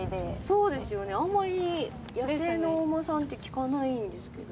そうですよね、あんまり野生のお馬さんって、聞かないんですけど。